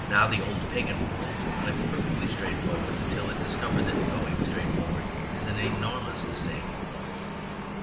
Now the old pagan world went perfectly straightforward until it discovered that going straightforward is an enormous mistake.